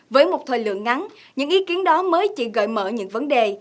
với một thời lượng ngắn những ý kiến đó mới chỉ gợi mở những vấn đề